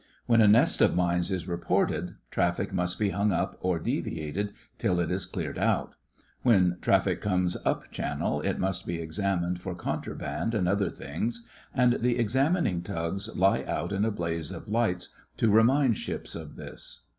When a nest of mines is reported, traffic must be hung up or deviated till it is cleared out. When traffic comes up Channel it must be examined for contraband and other things; and the examining tugs lie out in a blaze of lights to remind ships of this.